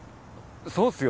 そうっすよ。